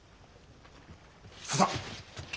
ささっ。